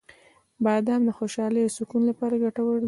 • بادام د خوشحالۍ او سکون لپاره ګټور دي.